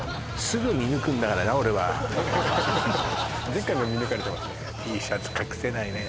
すぐ見抜くんだからな俺は前回も見抜かれてますね